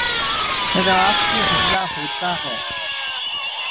عراق پہ حملہ ہوتا ہے۔